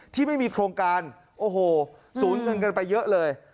ที่ไม่มีโครงการโอ้โหสูญเงินกันไปเยอะเลย